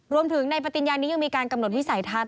รวมถึงในปฏิญญานี้ยังมีการกำหนดวิสัยทัศน